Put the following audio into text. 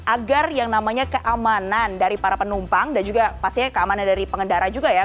agar yang namanya keamanan dari para penumpang dan juga pastinya keamanan dari pengendara juga ya